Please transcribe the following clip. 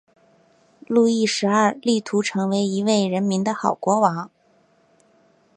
路易十二力图成为一位人民的好国王。